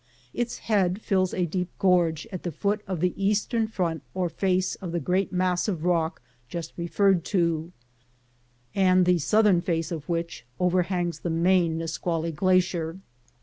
Its head fills a deep gorge at the foot of the eastern front or face of the great mass of rock just referred to, and the southern face of which overhangs the main Nisqually glacier.